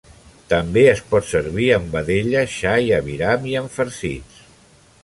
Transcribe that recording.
També es pot servir amb vedella, xai, aviram i en farcits.